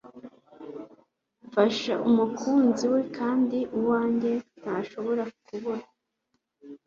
mfashe umukunzi we kandi uwanjye ntashobora kubura